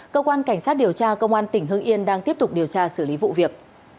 cơ quan cảnh sát điều tra công an tỉnh hưng yên đang tiếp tục điều tra xử lý vụ việc